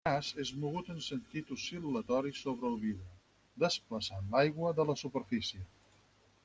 El braç és mogut en sentit oscil·latori sobre el vidre, desplaçant l'aigua de la superfície.